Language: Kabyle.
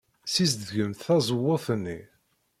Ssizedgemt tazewwut-nni.